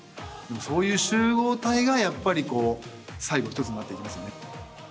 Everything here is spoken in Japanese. そういう集合体が、やっぱりこう、最後、一つになっていきますよね。